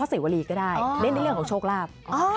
เสวรีก็ได้เล่นในเรื่องของโชคลาภ